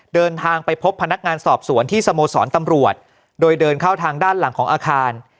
เดินทางไปพบพนักงานสอบสวนที่สโมสรตำรวจโดยเดินเข้าทางด้านหลังของอาคาร